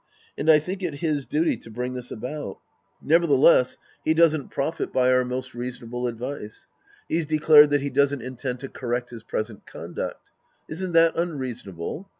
And I think it his duty to bring this about. Nevertheless Sc. II The Priest and His Disciples 199 he doesn't profit by our most reasonable advice. He's declared that he doesn't intend to correct his present conduct. Isn't that unreasonable